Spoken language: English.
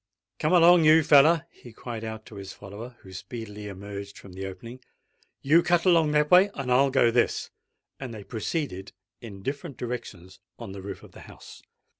"Come along, you feller," he cried out to his follower, who speedily emerged from the opening. "You cut along that way, and I'll go this." And they proceeded in different directions on the roof of the house.